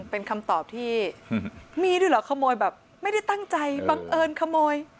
เป็นคำตอบที่มีด้วยเหรอขโมยแบบไม่ได้ตั้งใจบังเอิญขโมย